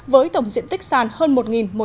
với tổng diện tích sàn hơn một một trăm tám mươi m hai